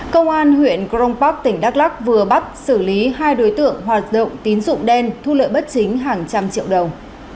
công an huyện crong park tỉnh đắk lắc vừa bắt xử lý hai đối tượng hoạt động tín dụng đen thu lợi bất chính hàng trăm triệu đồng